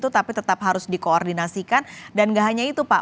tapi tetap harus dikoordinasikan dan gak hanya itu pak